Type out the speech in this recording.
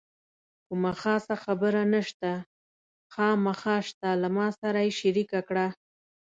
کومه خاصه خبره نشته، خامخا شته له ما سره یې شریکه کړه.